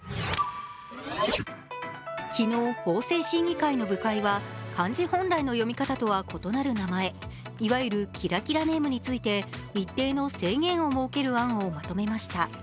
昨日、法制審議会の部会は漢字本来の読み方とは異なる名前、いわゆるキラキラネームについて一定の制限を設ける案をまとめました。